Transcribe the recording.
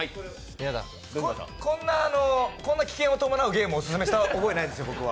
こんな危険を伴うゲームをオススメした覚えはないんですよ。